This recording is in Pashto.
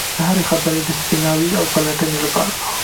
د هرې خبرې د سپیناوي او پلټنې لپاره.